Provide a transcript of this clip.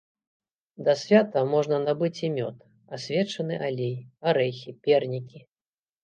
Да свята можна набыць і мёд, асвечаны алей, арэхі, пернікі.